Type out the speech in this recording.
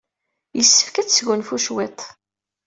Yessefk ad tesgunfu cwiṭ.